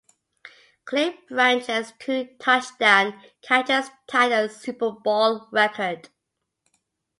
Cliff Branch's two touchdown catches tied a Super Bowl record.